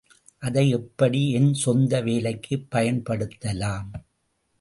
அதை எப்படி என் சொந்த, வேலைக்குப் பயன்படுத்தலாம்?